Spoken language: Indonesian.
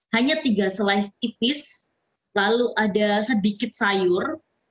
hanya tiga selais tipis lalu ada sedikit sayur